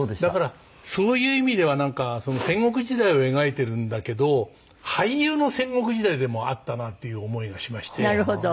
だからそういう意味ではなんか戦国時代を描いてるんだけど俳優の戦国時代でもあったなっていう思いがしまして。